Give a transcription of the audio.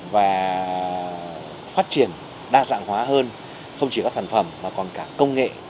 và phát triển đa dạng hóa hơn không chỉ các sản phẩm mà còn cả công nghệ